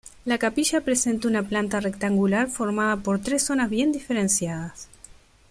La capilla presenta una planta rectangular formada por tres zonas bien diferenciadas.